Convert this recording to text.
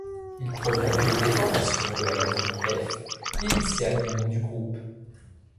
Il provient d'une déformation de la lettre F, initiale du nom du groupe.